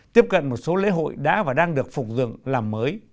tiếp cận một số lễ hội đã và đang được phục dựng làm mới